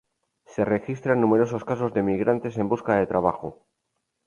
Se registran numerosos casos de migrantes en busca de trabajo.